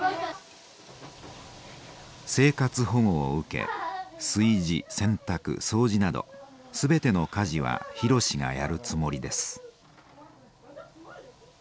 生活保護を受け炊事洗濯掃除などすべての家事は博がやるつもりです。